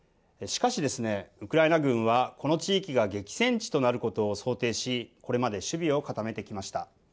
しかし、ウクライナ軍は、この地域が激戦地となることを想定し、これまで守備を固めてきました。